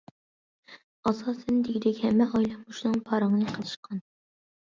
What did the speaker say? ئاساسەن دېگۈدەك ھەممە ئائىلە مۇشۇنىڭ پارىڭىنى قىلىشقان.